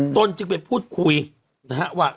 ตนจึงไปพูดคุยนะฮะว่า